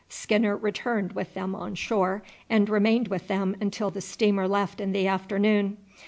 Skinner returned with them on shore, and remained with them until the steamer left in the afternoon.